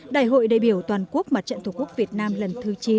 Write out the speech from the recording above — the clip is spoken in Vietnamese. đại hội đại biểu toàn quốc mặt trận tổ quốc việt nam lần thứ chín